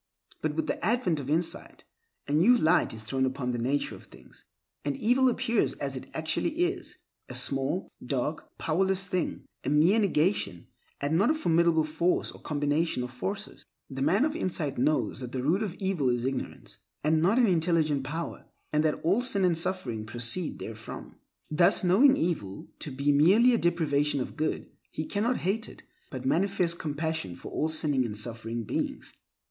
But with the advent of insight, a new light is thrown upon the nature of things, and evil appears as it actually is—a small, dark, powerless thing, a mere negation, and not a formidable force or combination of forces. The man of insight knows that the root of evil is ignorance—and not an intelligent power—and that all sin and suffering proceed therefrom. Thus, knowing evil to be merely a depravation of good, he cannot hate it, but manifests compassion for all sinning and suffering beings.